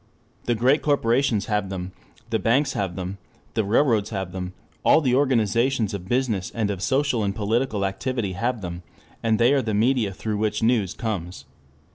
The great corporations have them, the banks have them, the railroads have them, all the organizations of business and of social and political activity have them, and they are the media through which news comes.